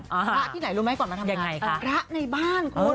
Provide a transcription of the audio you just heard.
พระที่ไหนรู้ไหมก่อนมาทำยังไงคะพระในบ้านคุณ